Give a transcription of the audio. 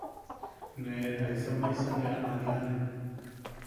O “¿ne... jaisa maisi ne am aniane?”